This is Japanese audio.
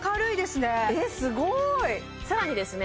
すごーいさらにですね